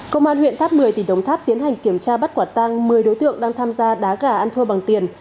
công an huyện tháp một mươi tỉnh đồng tháp tiến hành kiểm tra bắt quả tăng một mươi đối tượng đang tham gia đá gà ăn thua bằng tiền